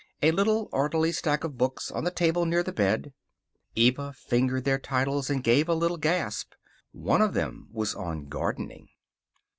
A little orderly stack of books on the table near the bed. Eva fingered their titles and gave a little gasp. One of them was on gardening.